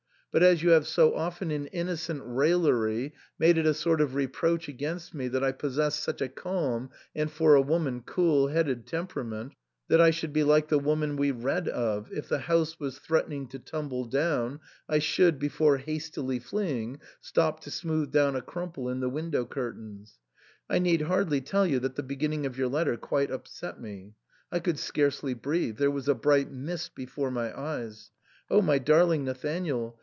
But as you have so often in innocent raillery made it a sort of reproach against me that I possessed such a calm, and, for a woman, cool headed temperament that I should Ke like the woman we read of — if the house was threatening to tumble down, I should, before hastily fleeing, stop to smooth down a crumple in the window curtains — I need hardly tell you that the beginning of your letter quite upset me, I could scarcely breathe ; there was a bright mist before my eyes. Oh ! my darling Nathanael